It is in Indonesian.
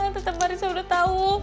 teteh marissa udah tau